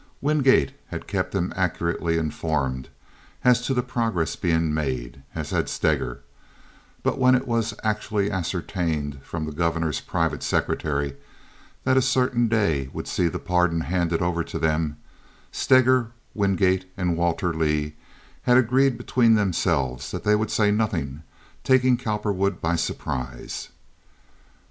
Wingate had kept him accurately informed as to the progress being made, as had Steger; but when it was actually ascertained, from the Governor's private secretary, that a certain day would see the pardon handed over to them, Steger, Wingate, and Walter Leigh had agreed between themselves that they would say nothing, taking Cowperwood by surprise.